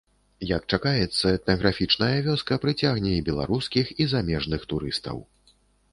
Як чакаецца, этнаграфічная вёска прыцягне і беларускіх, і замежных турыстаў.